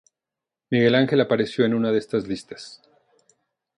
Miguel Ángel apareció en una de estas listas.